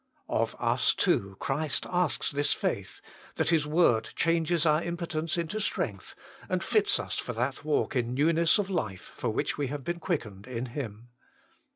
Of us, too, Christ asks this faith, that His word changes our impotence into strength, and fits us for that walk in newness of life for which we have been quickened in Him.